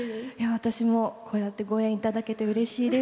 私もこうやってご縁いただけてうれしいです。